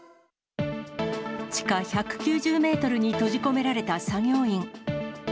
地下１９０メートルに閉じ込められた作業員。